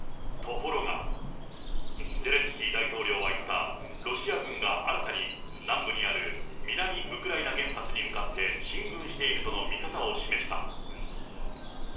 ところが、ゼレンスキー大統領は５日、ロシア軍が新たに南部にある南ウクライナ原発に向かって進軍しているとの見方を示した。